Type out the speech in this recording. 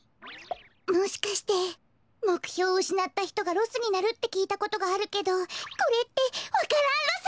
もしかしてもくひょううしなったひとがロスになるってきいたことがあるけどこれってわか蘭ロス？